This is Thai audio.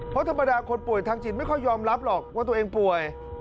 เพราะธรรมดาคนป่วยทางจิตไม่ค่อยยอมรับหรอกว่าตัวเองป่วย